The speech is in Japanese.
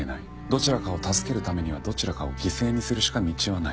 どちらかを助けるためにはどちらかを犠牲にするしか道はない。